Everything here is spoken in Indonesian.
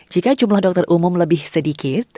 jika jumlah dokter umum lebih sedikit